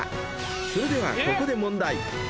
［それではここで］